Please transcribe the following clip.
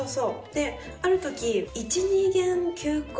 である時。